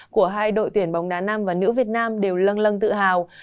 của hai đội tuyển bóng đá nam và nữ việt nam đều lăng lăng tự hào